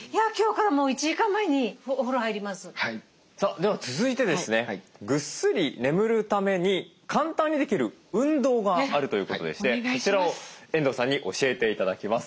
では続いてですねぐっすり眠るために簡単にできる運動があるということでしてそちらを遠藤さんに教えて頂きます。